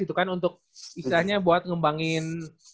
itu kan untuk istilahnya buat ngembangin